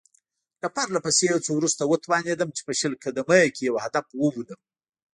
له پرله پسې هڅو وروسته وتوانېدم چې په شل قدمۍ کې یو هدف وولم.